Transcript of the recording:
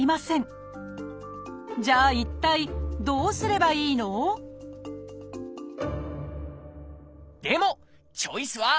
じゃあ一体どうすればいいの？でもチョイスはあります！